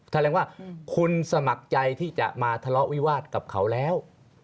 แสดงว่าคุณสมัครใจที่จะมาทะเลาะวิวาสกับเขาแล้ว